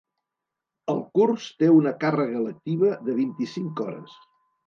El curs té una càrrega lectiva de vint-i-cinc hores.